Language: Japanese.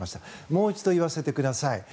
もう一度言わせてください。